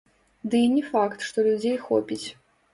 Ды і не факт, што людзей хопіць.